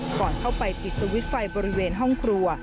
ก่อนเข้าไปปิดสวิตช์ไฟบริเวณห้องครัว